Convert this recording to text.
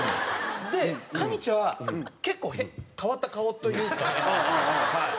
でかみちぃは結構変わった顔というか。